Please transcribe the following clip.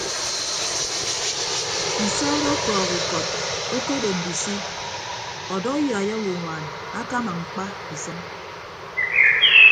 Nsaat ọkọọk ukọt okodo ndisi ọdọ uyai owoññwaan akama ñkpa isʌñ.